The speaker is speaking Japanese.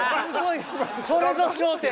これぞ『笑点』。